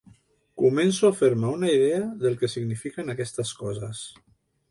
Començo a fer-me una idea del que signifiquen aquestes coses.